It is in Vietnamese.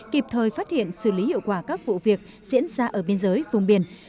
kịp thời phát hiện xử lý hiệu quả các vụ việc diễn ra ở biên giới vùng biển